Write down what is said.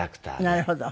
なるほど。